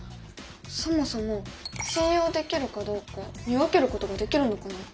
そもそも信用できるかどうか見分けることができるのかな？